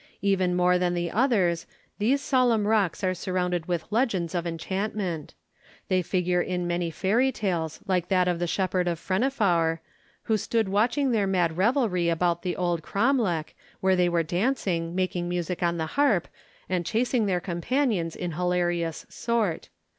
Even more than the others, these solemn rocks are surrounded with legends of enchantment. They figure in many fairy tales like that of the shepherd of Frennifawr, who stood watching their mad revelry about the old cromlech, where they were dancing, making music on the harp, and chasing their companions in hilarious sort.